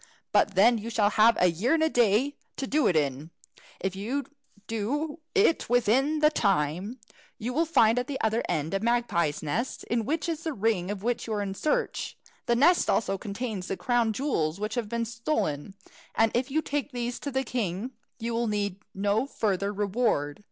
But then you shall have a year and a day to do it in. If you do it within the time, you will find at the other end a magpie's nest, in which is the ring of which you are in search. The nest also contains the crown jewels which have been stolen, and if you take these to the king, you will need no further reward.